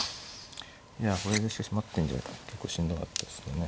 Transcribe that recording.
いやこれでしかし待ってんじゃ結構しんどかったですよね。